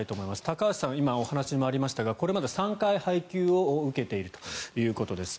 高橋さん、今お話にもありましたがこれまで３回、配給を受けているということです。